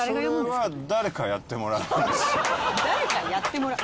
それは「誰かやってもらう」